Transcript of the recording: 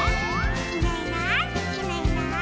「いないいないいないいない」